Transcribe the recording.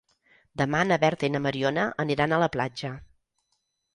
Demà na Berta i na Mariona aniran a la platja.